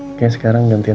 oke sekarang gantian